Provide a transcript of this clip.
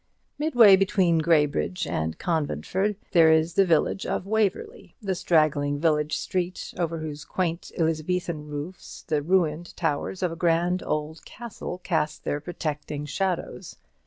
Midway between Graybridge and Conventford there is the village of Waverly; the straggling village street over whose quaint Elizabethan roofs the ruined towers of a grand old castle cast their protecting shadows.